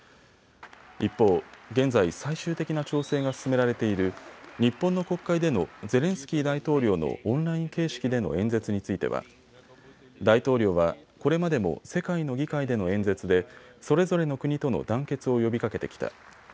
一方、現在、最終的な調整が進められている日本の国会でのゼレンスキー大統領のオンライン形式での演説については大統領は、これまでも世界の議会での演説でそれぞれの国との団結を呼びかけてきた。